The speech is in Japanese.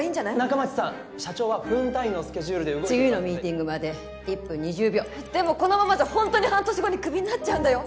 仲町さん社長は分単位のスケジュールで動いてますので次のミーティングまで１分２０秒でもこのままじゃホントに半年後にクビになっちゃうんだよ